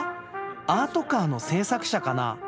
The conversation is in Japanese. アートカーの製作者かな？